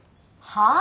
はあ？